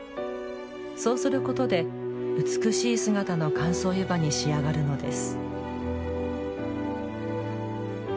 そうすることで美しい姿の乾燥湯葉に仕上がるのです。